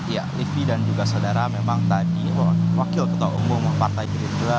ya livi dan juga saudara memang tadi wakil ketua umum partai gerindra